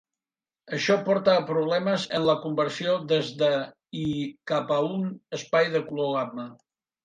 Això porta a problemes en la conversió des de i cap a un espai de color gamma.